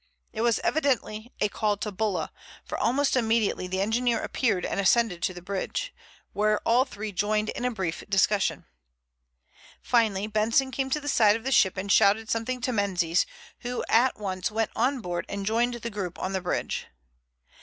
It was evidently a call to Bulla, for almost immediately the engineer appeared and ascended to the bridge, where all three joined in a brief discussion. Finally Benson came to the side of the ship and shouted something to Menzies, who at once went on board and joined the group on the bridge.